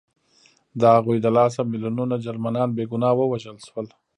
د هغوی له لاسه میلیونونه جرمنان بې ګناه ووژل شول